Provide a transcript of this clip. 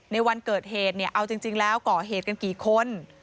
ในวันเกิดเหตุเนี่ยเอาจริงแล้วก่อเหตุกันกี่คน